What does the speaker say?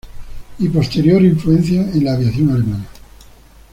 Y posterior influencia en la aviación alemana.